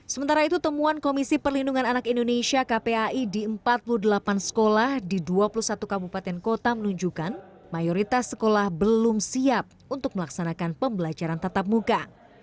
sementara itu temuan komisi perlindungan anak indonesia kpai di empat puluh delapan sekolah di dua puluh satu kabupaten kota menunjukkan mayoritas sekolah belum siap untuk melaksanakan pembelajaran tatap muka